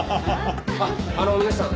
あっあの皆さん